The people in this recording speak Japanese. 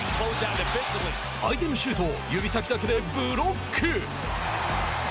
相手のシュートを指先だけでブロック！